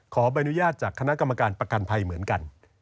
ขออนุญาตจากคณะกรรมการประกันภัยเหมือนกัน